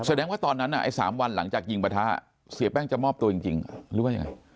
แสดงว่าตอนนั้นไอ้๓วันหลังจากยิงประทะเสียแป้งจะมอบตัวจริงหรือว่ายังไง